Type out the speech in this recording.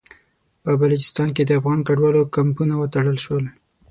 په بلوچستان کې د افغان کډوالو کمپونه وتړل شول.